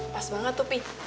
pas banget tuh pi